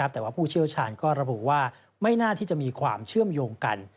แต่ว่าผู้เชี่ยวชาญก็ระบุว่าไม่น่าที่จะมีความเชื่อมโยงกัน